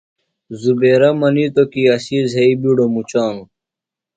زبیرہ منِیتوۡ کی اسی زھئی بِیڈوۡ مُچانُوۡ۔